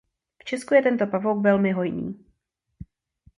V Česku je tento pavouk velmi hojný.